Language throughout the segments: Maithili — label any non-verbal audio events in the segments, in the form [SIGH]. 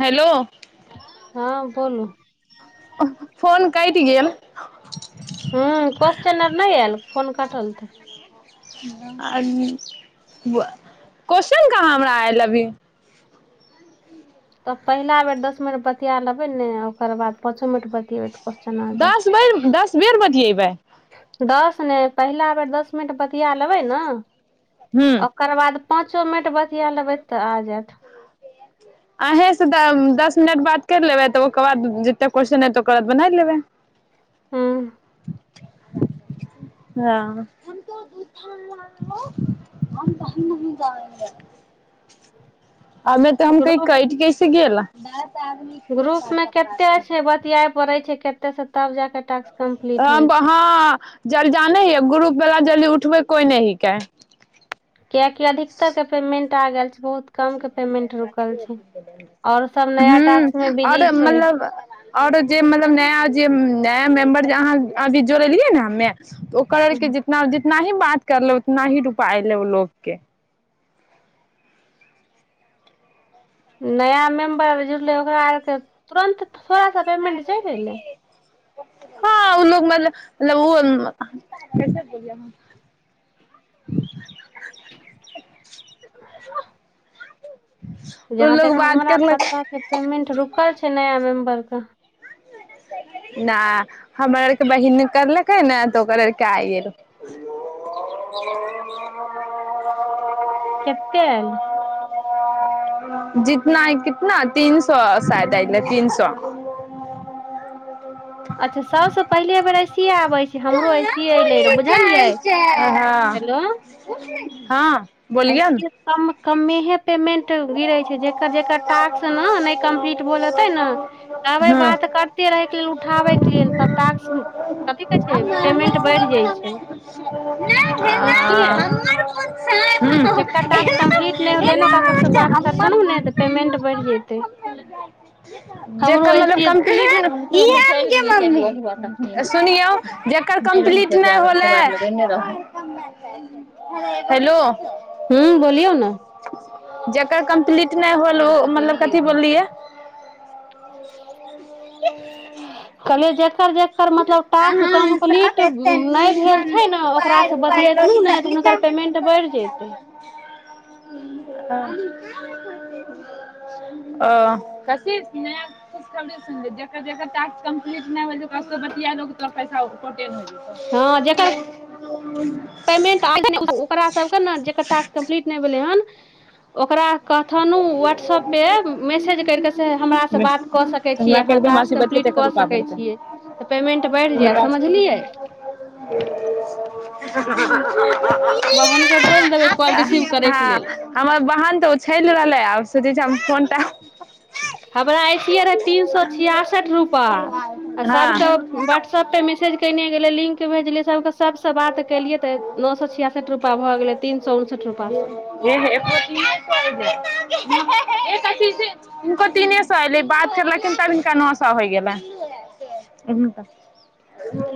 हेलो हँ बोलू फोन कटि गेल हूँ क्वेश्चन आर नहि आयल फोन कटल तऽ आ क्वेश्चन कहाँ हमरा आयल अभी तऽ पहिला बेर दस मिनट बतिया लेबै ने ओकर बाद पाँचो मिनट बतियेबै तऽ क्वेश्चन आ जायत दस बेर दस बेर बतियेबै दस नहि पहिला बेर दस मिनट बतिया लेबै ने हूँ ओकर बाद पाँचो मिनट बतिया लेबै तऽ आ जायत अहीँसँ तऽ दस मिनट बात करि लेबै तऽ ओकर बाद जतेक क्वेश्चन एतै ओकर बाद बना लेबै हूँ हँ हम त दू ल हम त हम जा [UNINTELLIGIBLE] अमे तऽ हम क ग्रुप कैठ [UNINTELLIGIBLE] गेल ग्रुप मे केते छैइ बतियाए पड़ै छैइ केत तऽ स जल जाने ह एगो रुप वला जली उ [UNINTELLIGIBLE] तु कोइ नहि हिकय कियकि अधिकतर के पेमेंट पागल छई और सब नया हूं टास्क मे बिजी आरो छै मतलब आरो जे मतलब नया जे नया मेम्बर जे अहाँ अभी जोड़ एलियए ने हमे ओकर आरके जितना जितना ही बात करले उतना ही रुपा अयलै उ लोगके नया मेम्बर जुटलै ओकरा आरके तुरन्त सए के पेमेंट चालि ऐलै हँ ओ लोग मतल मतलब ओ ओ जहा लोग तक मे बात हमरा करलक पता छै पेमेंट रुकल छै नया मेम्बेर क नय हमर आरके बहिन करलकै ने त ओकर आरके आइ गेल कते आयल जितना हि कितना तीन सो शायद ऐलइ तीन सो अच्छा सबसँ पहिले वेर चलि बुलिय बुझलियै जाइल छै हाँ हं हँ बोलियौ ने असी य कम कमेहै पेमेन्ट गिरै छै जेकर जेकर टास्क न नहि कम्प्लीट भेल होतइ न कहबै हँ बात करते रहैके लेल उठाबैके लेल तब तास्क कथी कहै छै पेमेंट बढ़ि जाइ छै समझलियै जेकर टास्क कम्प्लीट नहि होलै ने ओकरा सबसँ बात सुनु ने पेमेंट बैद जयतेय हमरो मतलब ऐसी कम्प्लीट चइल इहे गेल चइल मम्मी गेलय सुनियौ जेकर कम्प्लीट नहि होलै केबाड़ लगेंने रहबय हेलो ह्म बोलियौ ने कम्प्लीट नहि होल ओ मतलब कथी बोललियै [INAUDIBLE] ह ही जेकर जेकर मतलब टास्क कम्प्लीट नहि भेल छै ने ओकरासँ बतियथिन नेह त हुनकर पेमें ट बढ़ जेतै अ कथिलय खुशखरी सुन बय सुनलक जकर टॉक्स कम्पीट नहि भेल सबसँ बतियाआ लोक सँ फैसाहो हँ जेकर पेमेन्ट ओकरा सभके ने जेकर टास्क कम्प्लीट नहि भेलै हन ओकरा कथनु वट्सअप पे मैसेज करिके हमरास जेतौ बात क तऽ सकै छियै हमरा कहि अहाँ दे हमरा से तास्क बतियेतै कम्प्लीट कतेक क रुपया सकै भरतै छियै त पेमेन्ट बढ़ि हमर जाय टास्क समझलियै ह बहनके बोलि देबै अ कॉल अ रिसीव करैके हँ लेल हमर बाहन त छल रहलै आ से द छै फोनटा हमरा ऐसियै रहै तीन सए छियासठि रुपआ आ सभके हँ हमारा ऐशिये रहइ तीन सो छियासठ रूपा आ सबक वाट्सएपे मैसेज कयने गेलै लिंक भेजलियै सभके सभसँ बात केलियै त नओ सो छियासठि रुपआ भ गेलै तीन सए उनसठि रुपासँ हूँनको तीने सए एयलै बात करलखिन तबहिनका नओ सो होइ गेलन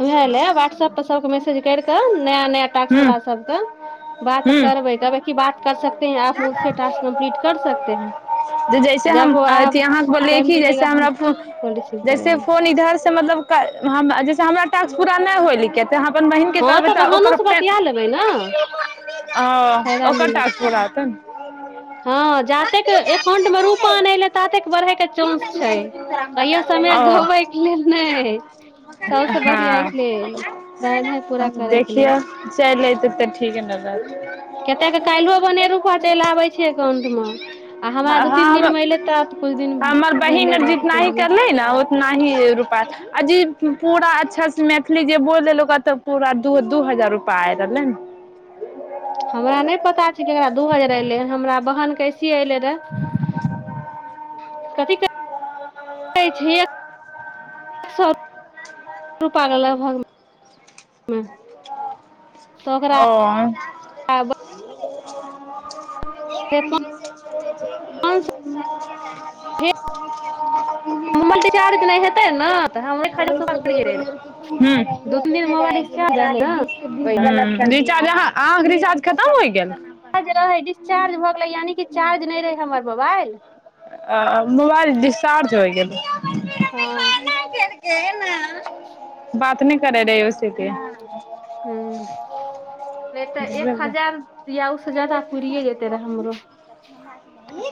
उएहले वाट्सएप पर सबके मैसेज करिक क नया नया टास्क वाला सबक बात हुँ करबे कह बइ की बात कर सकते हैं आप मुस टास्क कम्प्लीट कर सकते हैं जे जैसे हम जब अथी आब अहाँके बोललियै टाइम कि जैसे मिलेगा हमरा हम कोल रिसीव जैसे करेंगे फोन इधर से मतलब कल जे हमराटास् पूरा नहि होल ते अहाँ अपन बहिनके हँ करबै तब त अहानो ओकर से पे बतिया लेबै ने फायदा ओकर मिलत टास्क पूरा होतै ने हँ जा तेक एकाउंट मे रूपा नहि एलै त तेक बढ़ैके चानंस छै कहियो समय ओ गबैके लेल नहि सबसे हँ बतियायके लेल पूरा करैके लेल देखियौ चलि अयतै तऽ ठीक न रहतै कतेक के काल्हि बने रुप हमरा दू तीन दिन मे एले तऽ आब कुछ दिन हमर बहिन भेले बात जितना ही केलियै करलै ने उतना ही रूपा अजीब की पूरा अच्छासँ मैथिली जे बोल ओकरा तऽ पूरा दू दू हजार रुपा आ रहलै ने हमरा नहि पता जे केकरा दुहजार एले हमरा बहन कैस एले रह कथी एतय छै एक एक सए रुपैआके लगभगमे ओ [INAUDIBLE] ह -ह मोबाइल चार्ज नहि हेतै ने तऽ हमरे खार दू तीन दिन मोबाइल हुँ रिचार्ज हँ आहाँ के रिचार्ज खतम होइ गेल रिचार्ज रहै डिस्चार्ज भ गेलै ल यानि कि चार्ज नहि रहै हमर मोबाइल अ मोबाइल डस्चार्ज होइ गेलै हँ बात नहि करे रहे ओसे की हँ नहि तऽ एक हजार दिआउस तो जादा पुररिए जेतै तरा हमरो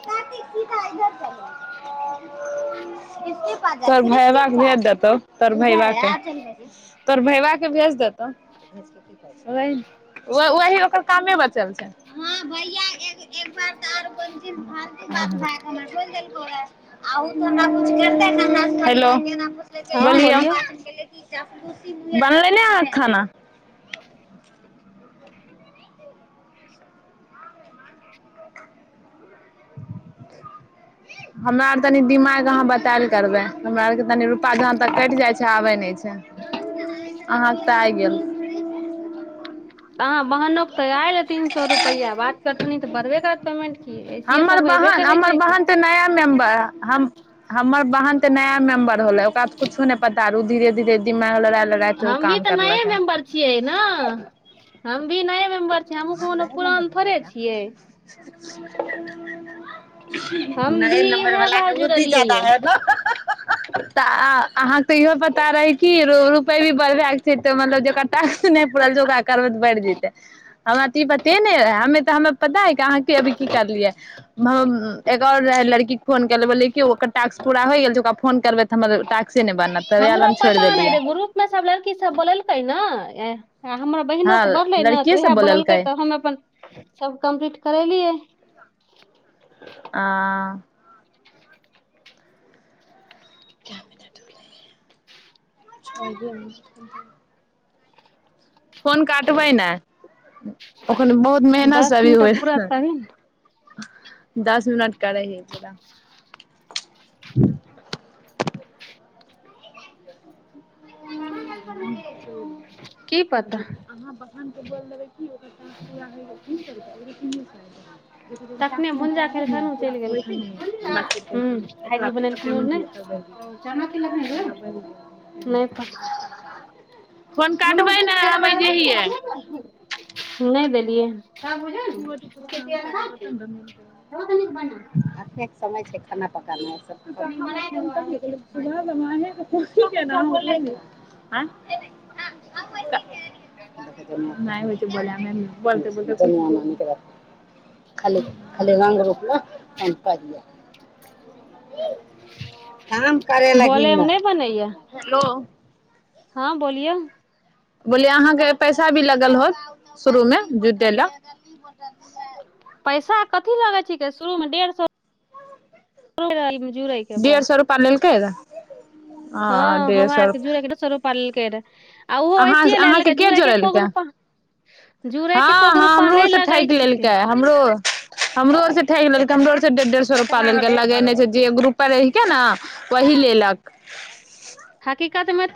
चाची सीमा इधर चलि एलै [INAUDIBLE] तोहर भैयबा भेज देतौ तोहर भैयबा के तोर भैयबा के भेज देत ओहि ओह ओकर कामे बचल छै हँ भैया एक एक बार आर भर [UNINTELLIGIBLE] पुछले बोलियो छल हम पास हँ बोलियौ केलियै बनलै ने अहाँ के खाना हमरा आर तनी दिमाग अहाँ बताल करबै हमरा आर केनी रुपा जहाँ तक कटि जाइ छै आबे नहि छै छै अहाँके तऽ आइ गेल अहाँ बहनो तऽ आयल तीन सए रुपआ बात करथि तऽ बढ़बे करत पेमेंट की ऐसिये हमर सब के एबे बहन करै हमर छै की बहन तऽ नया मेम्बर हम हमर बहन त नया मेंबर होलै ओकरा त कुछो नहि पता ओ धीरे धीेरे हम भी तऽ नए मेंबर छियै ने हम भी नये [UNINTELLIGIBLE] मेम्बर छियै हमहूँ कोनो पुरान थोड़े छियै हम भी नए नम्बर इएह बला बार के बुद्धि जुड़लियै जादा ये है ने तऽ अहाँके तऽ इहो पता रहै कि रुपैआ भी बढ़बयके छै तऽ मतलब जकरा टासक नहि पड़ल छै ओकरा करबै तऽ बढ़ि जेतै हमरा तऽ ई पते नहि है हमे तऽ हमरा पता है अहाँके अभी की करलियै एगो ओर रहय लड़की फोनै केनै बोै ओकर टासक पूरा होय गेल छै ओकरा फोन करबै तऽ हमर टासके नहि बनल तऽ यैह लेल हमरो हम छोड़ि पता नहि देलियै रहे एह आ हमर हँ बहिनोके बढ़लै ने लड़किए तऽ सब उएह बोललकै तऽ हम अपन सभ कम्प्लीट करेलियै आ [INAUDIBLE] कै मिनट भेलै चारे मिनट फोन काटबै ने ओखन बहुत मेहनतसँ दस अभी मिनट होइ पूरा तभी ने, दस मिनट करै हियै पूरा ह [UNINTELLIGIBLE] कहां गेलखुन गे अहाँ बहन के बोल देबै की ओकर टास्क पूरा होई गेलै तीन सौ रूपया ओ हो तीन सए अयले जकर जकर तखने टास्क नहि पूरा भुंजा भेलैने खेलखन पूरा चलि भऽ गेलखन जेतैने हूँ तकर बाद भायजी ओकरा बनेलखिन पेमेंट नहि भेटतैक ओकर पहिले नहि फोन काट दू बाद नहि छ कर नहि देलियै बात बुझ्लही ने तू केट आर कह समय छै खाना पकाना फो आ नहि होई छै बल बलतै ब निक रख खाली खाली रङ्ग रूपल क प काम करय लगिन बोले मे ने नहि बनैया हेलो हँ बोलियौ बोलियै अहाँके पैसा भी लगल होत शुरूमे जुटे लए पैसा कथी लगै छिकै शुरूमे डेढ़ सए जुड़ै के डढ़ बस सए रुपा लेल केै हँ हमरा आरके जुरके स रूप फर अहाँके के जोड़ेलकै जुड़े के एको हँ गो रूपा हमरो नहि लगै ठकि छिकै लेलकै हमरो आर स ठकि लेलकै डेढ़ डेढ़ सए रुपा ल लगेने छै जे ग्रुप बनेलकै रहे ने वही लेलक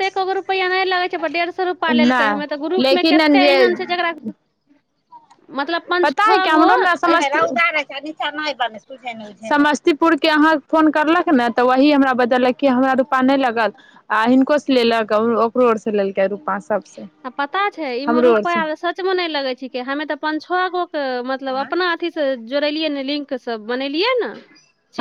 एकोगो रुपैया नहि लगै छै डेढ रुपा लेलकै हमे तऽ नहि ग्रुप मे लेकिन कते जे एहन छै जकरा पता है केमहरो हम ने सम समस्तीपुर के अहाँ फोन करलक ने तऽ वही हमरा बतेलक कि हमरा रूपा नहि लगल आ हिनको से लेलक कोर से लेलकै रूपा सब आ पता छै इ मे रुपआ सचमें नहि लगै छि हमे तऽ प त गो मतलब अपना अथीसँ जोड़ेलियै न लिंक स सब बनेलियै ने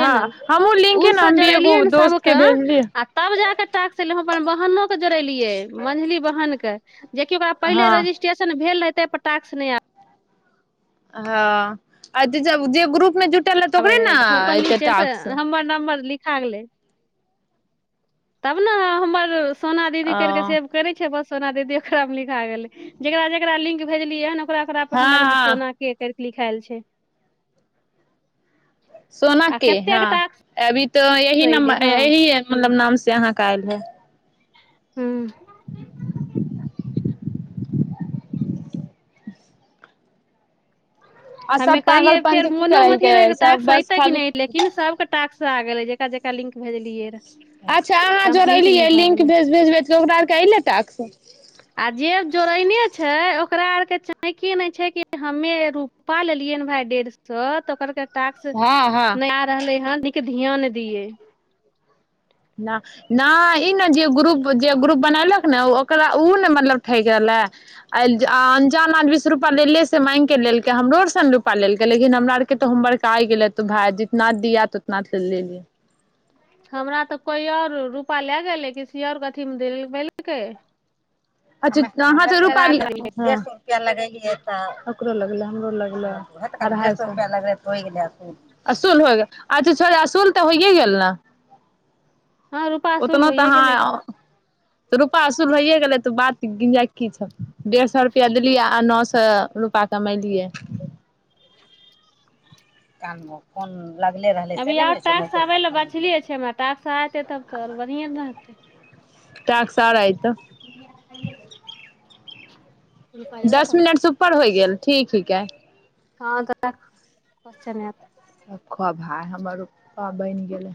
हँ हमहुँ लिंक ओ है ने सभ हम भी जोड़ेलियै एगो ने दोस्त के सभके भेजलियै आ तब जा के टाक् हम अपन बहनोके जोड़ेलियै मझली बहिनके जेकि ओकरा पहिले हँ रजिस्ट्रेशन भेल रहै पटाक स नहि आ हँ आ त जे ग्रुप में जुट ओहि पर लिंक जयत हमर नमर लिख खा गेलय तब ने हमर सोना दीदी ओ करिके सेब करै छै बस सोना दीदी ओकरा मे लिखा गेलै जेकरा जेकरा लिंक भेजलियै ह ओकरा ओकरा पर हँ हमर हँ सोना के लीखएल छै सोना आ के कतेक हँ टास्क अभी तऽ यह अयलै नम्बर हँ यह मतलब नाम से अहाँके आयल है हू [INAUDIBLE] आ सब हमे कहिये फेर पागलपंथी की मोनो मे करै अथी रहे के सब टाक्स बस ऐते की खाली ने लेकिन सब के ताकस आग ज जका लिंक भेजलियै रऽ अच्छा अहाँ कम्प्लीट भी जोड़ेलियै भऽ गेलै लिंकेज भेजबै त ओकरा आरके अयलै टाक्स जोड़ेने छै ओकरा आर के चाकी ने छै कि हमे रूप पा लेलियै ने भाय डेढ़ सए तऽ ओकरके टास्क हँ हँ नहि आ रहले ह ध्यान दिए नहि नहि ई नहि जे ग्रुप जे ग्रुप बनलक ने ओकरा ओ ने मतलब ठकि रहलै आ अनजान आर बीस रुपैआ लेलियै से माङ्ग कऽ लेलकै हमरो आरसँ ने रुपैआ लेलकै लेकिन हमरा आरके तऽ होमर वर्क आइि गेलै तू भाय जितना दििया त उतना लेलियै हमरा तऽ कोइ आओर रुपैआ लए गेलै किसी आर अथीमे दिलबेलकै अच् च तहाँ स रूपा छेड़ा। लिया डेढ़ स रुपआ लगे ओ लगले हमरो लगले अढ़ाई सए रुपआ लगले हो गेलई असूल हो गैल अच्छा छो असूल तऽ होइयए गेल ने हँ रूपा असुल ओतना होइये तहाँ गेलै तऽ रूपा असुल होइए गेल तऽ बात गिंजा की छौ डेढ़ सए रुपआ देलियै आ नओ सए रुपा कमेलियै कान कोन अभी आउ टाक्स आबै लए बछलियै छै हमरा टाक्स आ एतै तब तऽ आर बढ़िएँ ने रहतै टास्क आओर एतौ [INAUDIBLE] [INAUDIBLE] देलकौ दस मिनट से ऊपर होइ गेल ठीक ठीक छीके हँ त क्चन सभ खो भाय हमर पप्पा बनि गेलै